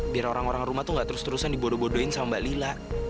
biar orang orang rumah tuh gak terus terusan dibodoh bodohin sama mbak lila